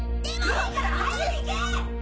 ・いいから早く行け！